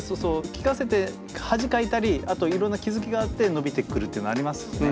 聴かせて恥かいたりあといろんな気付きがあって伸びてくるっていうのありますね。